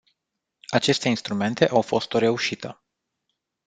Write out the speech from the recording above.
Aceste instrumente au fost o reușită.